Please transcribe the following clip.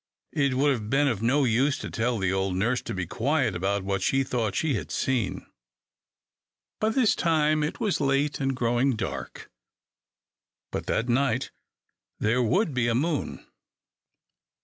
It would have been of no use to tell the old nurse to be quiet about what she thought she had seen. By this time it was late and growing dark. But that night there would be a moon.